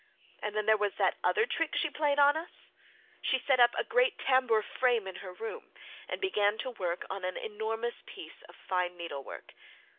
And then there was that other trick she played us. She set up a great tambour frame in her room, and began to work on an enormous piece of fine needlework.